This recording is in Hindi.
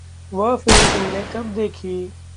वह फ़िल्म तुमने कब देखी?